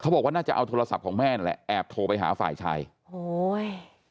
บอกว่าน่าจะเอาโทรศัพท์ของแม่นั่นแหละแอบโทรไปหาฝ่ายชายโอ้ย